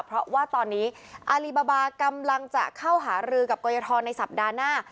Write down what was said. เพราะว่าตอนนี้อารีบาบากำลังจะเข้าหารือกับกรยทรในสัปดาห์หน้า